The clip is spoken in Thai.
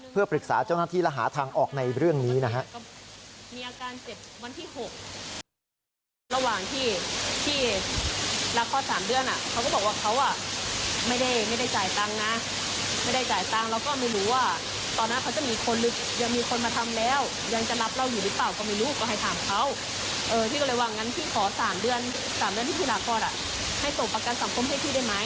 เพื่อปรึกษาเจ้าหน้าที่และหาทางออกในเรื่องนี้นะครับ